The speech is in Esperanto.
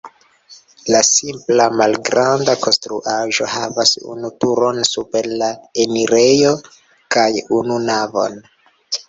La simpla, malgranda konstruaĵo havas unu turon super la enirejo kaj unu navon.